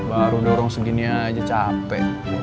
baru dorong segini aja capek